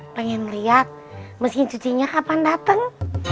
pengen liat mesin cuci nya kapan dateng